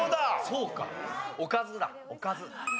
そうかおかずだおかず。